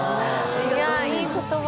いやあいい言葉。